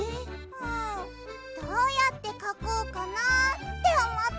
うんどうやってかこうかなっておもって。